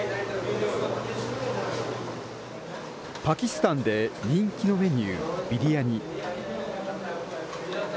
パキスタンで人気のメニュー、ビリヤニ。